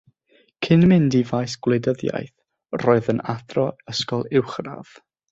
Cyn mynd i faes gwleidyddiaeth roedd yn athro ysgol uwchradd.